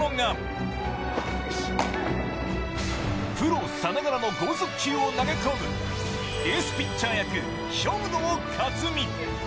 プロさながらの剛速球を投げ込む、エースピッチャー役、兵頭功海。